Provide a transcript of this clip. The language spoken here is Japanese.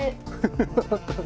ハハハハ。